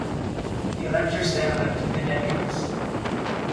The electors then elected the Deputies.